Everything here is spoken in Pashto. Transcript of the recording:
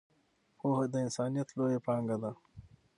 پوهه د انسانیت لویه پانګه ده.